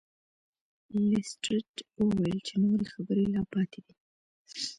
لیسټرډ وویل چې نورې خبرې لا پاتې دي.